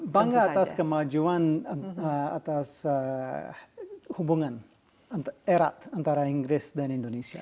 bangga atas kemajuan atas hubungan erat antara inggris dan indonesia